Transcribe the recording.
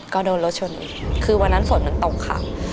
ก็โดนรถชนคือวันนั้นฝนมันตกค่ะ